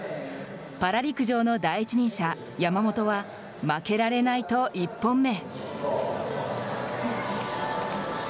パラ陸上の第一人者、山本は負けられないと１本目。